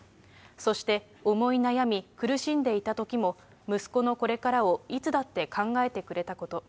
そして思い悩み、苦しんでいたときも、息子のこれからをいつだって考えてくれたこと。